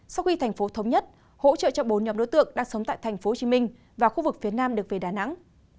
sau khi thành phố thống nhất hỗ trợ cho bốn nhóm đối tượng đang sống tại tp hcm và khu vực phía nam được về đà nẵng